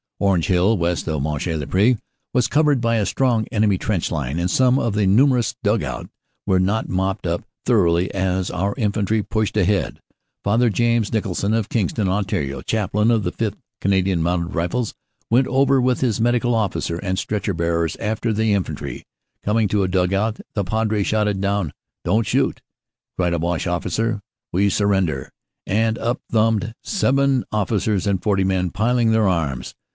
Orange hill, west of Monchy le Preux, was covered by a strong enemy trench line, and some of the numerous dug out* were not mopped up thoroughly as our infantry pushed ahead. Father James Nicholson of Kingston, Ont, chaplain of the 5th. C. M. R., went over with his Medical Officer and stretcher bearers after the infantry. Coming to a dug out, the Padre shouted down. "Don t shoot," cried a Boche officer; "we sur render." And up tumbled seven officers and 40 men, piling their arms.